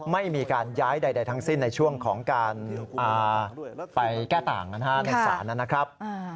ไม่มีการย้ายใดทั้งสิ้นในช่วงของการไปแก้ต่างในศาลนะครับ